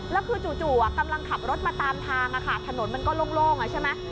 แล้วคือจู่กำลังขับรถมาตามทางถนนมันก็โล่งใช่ไหม